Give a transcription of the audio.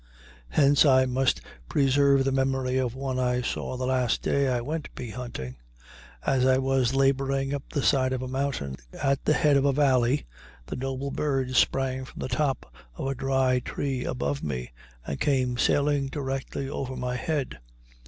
Hence I must preserve the memory of one I saw the last day I went bee hunting. As I was laboring up the side of a mountain at the head of a valley, the noble bird sprang from the top of a dry tree above me and came sailing directly over my head.